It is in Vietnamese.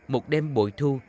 một đêm bội thu